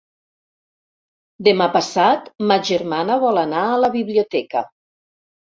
Demà passat ma germana vol anar a la biblioteca.